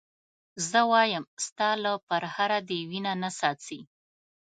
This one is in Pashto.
زه وایم ستا له پرهره دې وینه نه څاڅي.